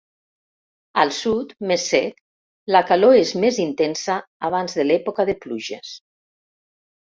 Al sud, més sec, la calor és més intensa abans de l'època de pluges.